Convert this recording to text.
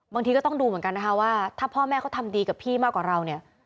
บางทีก็ต้องดูเหมือนกันนะคะว่าถ้าพ่อแม่เขาทำดีกับพี่มากกว่าเราเนี่ย